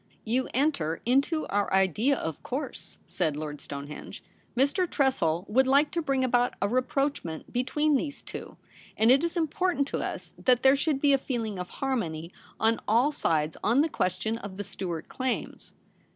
' You enter into our idea, of course,' said Lord Stonehenge ;' Mr. Tressel would like to bring about a rapprochement between these two ; and it is important to us that there should be a feeling of harrnpny on 270 THE REBEL ROSE. all sides on the question of the Stuart claims.'